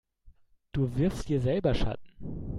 Du wirfst dir selber Schatten.